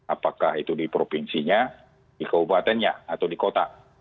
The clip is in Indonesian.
apakah itu di provinsinya di kabupatennya atau di kota